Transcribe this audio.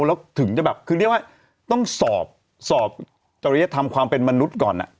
แล้วถึงจะแบบคือเรียกว่าต้องสอบสอบจริยธรรมความเป็นมนุษย์ก่อน